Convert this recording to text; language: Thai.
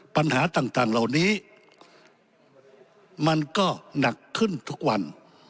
ปัญหาต่างเหล่านี้มันก็หนักขึ้นทุกวัน